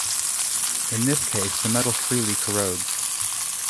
In this case, the metal freely corrodes.